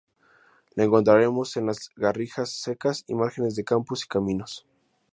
La encontraremos en las garrigas secas y márgenes de campos y caminos.